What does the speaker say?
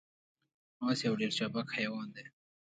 اس یو ډیر چابک حیوان دی